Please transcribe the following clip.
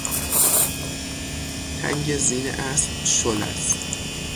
تنگ زین اسب شل است.